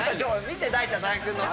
見て大ちゃん木君の。